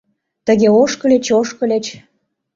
Тыге ошкыльыч, ошкыльыч.